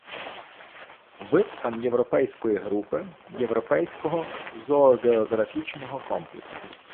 Вид пан’європейської групи, європейського зооґеографічного комплексу.